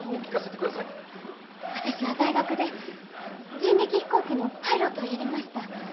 私は大学で人力飛行機のパイロットをやりました。